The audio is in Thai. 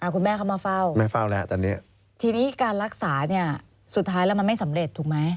คุณแม่เข้ามาเฝ้าทีนี้การรักษาสุดท้ายแล้วมันไม่สำเร็จถูกไหม